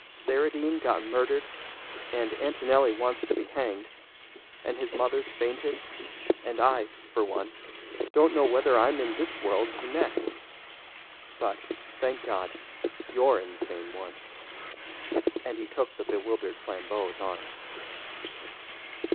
"Saradine got murdered, and Antonelli wants to be hanged, and his mother's fainted, and I, for one, don't know whether I'm in this world or the next. But, thank God, you're in the same one." And he took the bewildered Flambeau's arm.